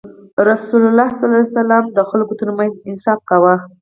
رسول الله ﷺ د خلکو ترمنځ انصاف کاوه.